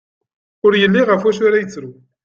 Ur yelli ɣef wacu ara yettru.